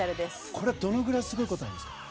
これはどのぐらいすごいんですか？